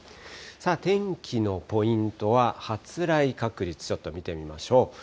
天気のポイントは発雷確率、ちょっと見てみましょう。